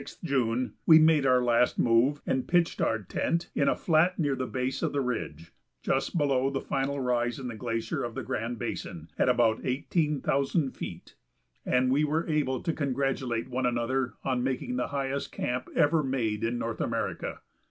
] [Sidenote: Last Camp] On Friday, the 6th June, we made our last move and pitched our tent in a flat near the base of the ridge, just below the final rise in the glacier of the Grand Basin, at about eighteen thousand feet, and we were able to congratulate one another on making the highest camp ever made in North America.